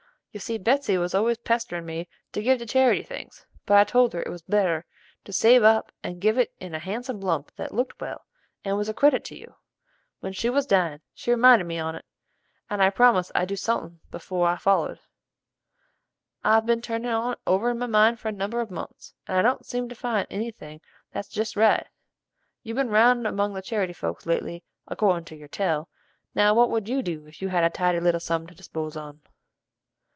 You see Betsey was always pesterin' me to give to charity things; but I told her it was better to save up and give it in a handsome lump that looked well, and was a credit to you. When she was dyin' she reminded me on't, and I promised I'd do suthing before I follered. I've been turnin' on't over in my mind for a number of months, and I don't seem to find any thing that's jest right. You've ben round among the charity folks lately accordin' to your tell, now what would you do if you had a tidy little sum to dispose on?"